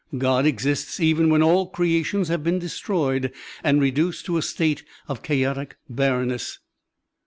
God exists even when all creations have been destroyed and reduced to a state of chaotic barrenness.